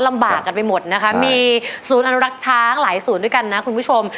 ลำบากกันไปหมดนะคะมีศูนย์อนุรักษ์ช้างหลายศูนย์ด้วยกันนะคุณผู้ชม